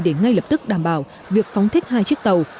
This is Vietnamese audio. để ngay lập tức đảm bảo việc phóng thích hai chiếc tàu